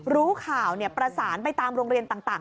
รู้ข่าวประสานไปตามโรงเรียนต่าง